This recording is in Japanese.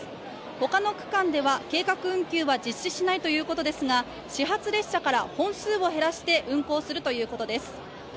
他の区間では計画運休は実施しないということですが始発列車から本数を減らして運行するということです。